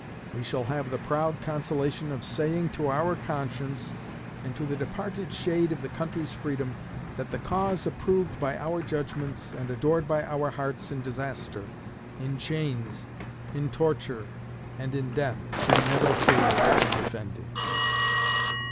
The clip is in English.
We shall have the proud consolation of saying to our conscience and to the departed shade of our country's freedom, that the cause approved by our judgments and adored by our hearts in disaster, in chains, in torture, and in death, we never failed in defending.